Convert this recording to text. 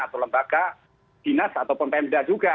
atau lembaga dinas ataupun pemda juga